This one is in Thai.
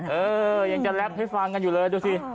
เออยังจะแรปให้ฟังกันอยู่เลยดูสิ